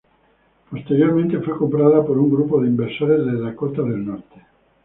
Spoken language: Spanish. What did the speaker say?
Posteriormente fue comprada por un grupo de inversores de Dakota del Norte.